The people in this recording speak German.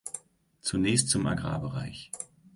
Zunächst zum Agrarbereich.